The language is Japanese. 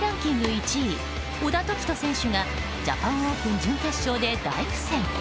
１位小田凱人選手がジャパンオープン準決勝で大苦戦。